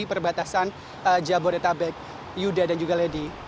perbatasan jabodetabek yuda dan juga lady